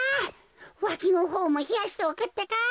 わきのほうもひやしておくってか。